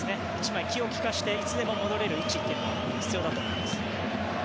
１枚、気を利かしていつでも戻れる位置というのは必要だと思います。